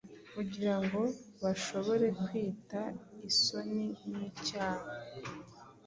Kugira ngo bashobore kwita isoni nicyaha